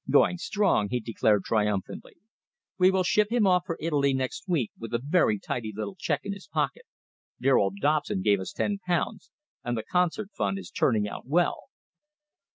"Going strong," he declared triumphantly. "We shall ship him off for Italy next week with a very tidy little cheque in his pocket. Dear old Dobson gave us ten pounds, and the concert fund is turning out well."